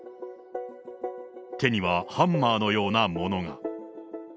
手にはハンマーのようなものが。